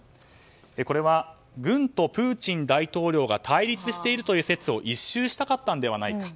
これは、軍とプーチン大統領が対立しているという説を一蹴したかったのではないか。